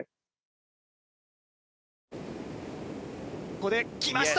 ここで来ました。